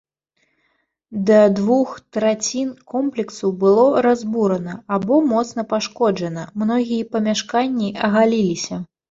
Да двух трацін комплексу было разбурана або моцна пашкоджана, многія памяшканні агаліліся.